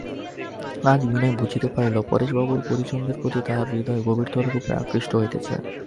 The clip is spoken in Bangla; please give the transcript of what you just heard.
আজ বিনয় বুঝিতে পারিল পরেশবাবুর পরিজনদের প্রতি তাহার হৃদয় গভীরতর রূপে আকৃষ্ট হইতেছে।